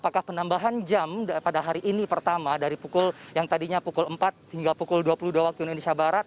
apakah penambahan jam pada hari ini pertama dari pukul yang tadinya pukul empat hingga pukul dua puluh dua waktu indonesia barat